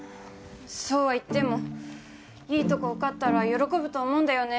そうは言ってもいいとこ受かったら喜ぶと思うんだよね